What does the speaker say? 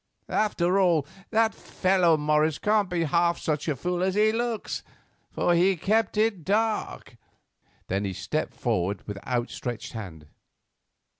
After all, that fellow Morris can't be half such a fool as he looks, for he kept it dark." Then he stepped forward with outstretched hand.